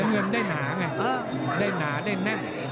เงินได้หนาไงได้หนาได้แน่น